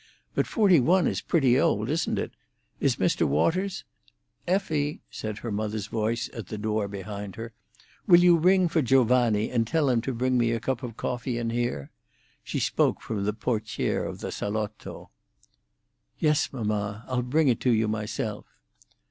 But forty one is pretty old, isn't it? Is Mr. Waters—" "Effie," said her mother's voice at the door behind her, "will you ring for Giovanni, and tell him to bring me a cup of coffee in here?" She spoke from the portière of the salotto. "Yes, mamma. I'll bring it to you myself."